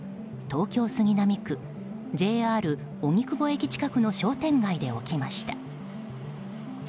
東京・杉並区ＪＲ荻窪駅近くの商店街で起きました。